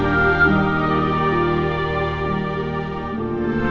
aku takut sama dia